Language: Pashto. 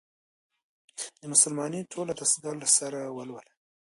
د «مسلمانۍ ټوله دستګاه» له سره ولولي.